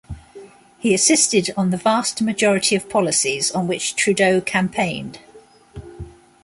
He assisted on the vast majority of policies on which Trudeau campaigned.